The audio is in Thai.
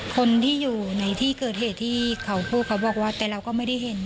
คนที่อยู่ในที่เกิดเหตุที่เขาพูดเขาบอกว่าแต่เราก็ไม่ได้เห็น